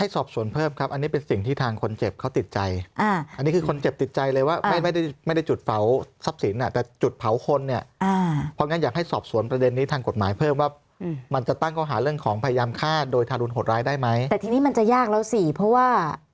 ให้สอบสวนเพิ่มครับอันนี้เป็นสิ่งที่ทางคนเจ็บเขาติดใจอ่าอันนี้คือคนเจ็บติดใจเลยว่าอ่าไม่ไม่ได้ไม่ได้จุดเผาทรัพย์สินอ่ะแต่จุดเผาคนเนี้ยอ่าเพราะงั้นอยากให้สอบสวนประเด็นนี้ทางกฎหมายเพิ่มว่าอืมมันจะตั้งเข้าหาเรื่องของพยายามฆาตโดยทารุณหดร้ายได้ไหมแต่ทีนี้มันจะยากแล้วส